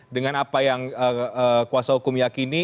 dengan apa yang kuasa hukum yakini